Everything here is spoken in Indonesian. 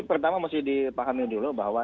pertama mesti dipahami dulu bahwa